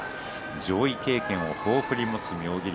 上位経験を豊富に持つ妙義龍